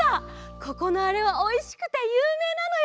ここのあれはおいしくてゆうめいなのよ。